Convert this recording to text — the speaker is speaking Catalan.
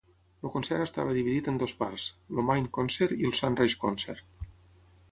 El concert estava dividit en dues parts: el "Main Concert" i el "Sunrise Concert".